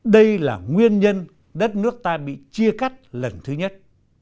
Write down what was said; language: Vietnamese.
đây là nguyên nhân đất nước ta bị chia cắt lần thứ nhất